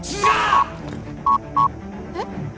えっ？